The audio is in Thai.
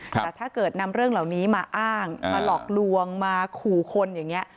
แต่ถ้าเกิดนำเรื่องเหล่านี้มาอ้างมาหลอกลวงมาขู่คนอย่างนี้